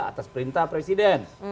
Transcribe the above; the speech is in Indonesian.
atas perintah presiden